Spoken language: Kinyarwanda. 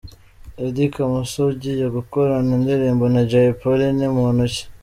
Eddy Kamoso ugiye gukorana indirimbo na Jay Polly ni muntu ki? .